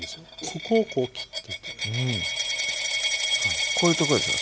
ここをこう切って頂いてこういうとこですか？